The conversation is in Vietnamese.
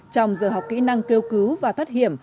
trong giờ học kỹ năng kêu cứu và thoát hiểm